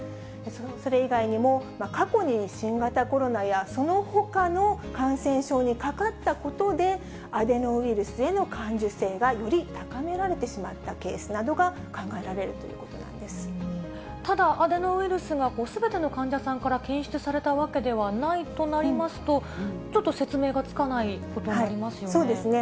それ以外にも、過去に新型コロナやそのほかの感染症にかかったことで、アデノウイルスへの感受性がより高められてしまったケースなどがただ、アデノウイルスがすべての患者さんから検出されたわけではないとなりますと、ちょっと説明がつかないことになりますよね。